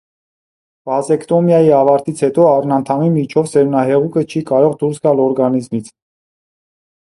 Վազէկտոմիայի ավարտից հետո առնանդամի միջով սերմնահեղուկը չի կարող դուրս գալ օրգանիզմից։